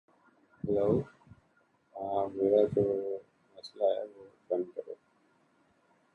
Cut logs are inflamed either just before cutting or before curing.